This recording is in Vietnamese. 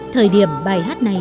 thời điểm bài hát này